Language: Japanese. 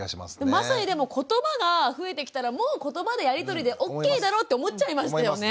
まさにでも言葉が増えてきたらもう言葉でやり取りでオッケーだろうって思っちゃいましたよね。